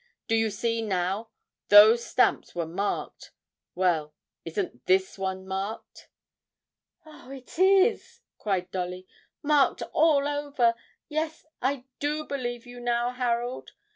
Do you see now those stamps were marked. Well, isn't this one marked?' 'Oh, it is!' cried Dolly, 'marked all over! Yes, I do believe you now, Harold.